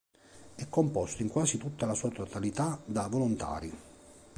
È composto in quasi tutta la sua totalità da volontari.